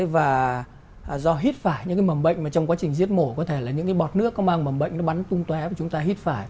và do hít phải những mầm bệnh trong quá trình giết mổ có thể là những bọt nước có mang mầm bệnh bắn tung tué và chúng ta hít phải